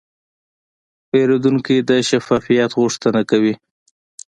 پیرودونکی د شفافیت غوښتنه کوي.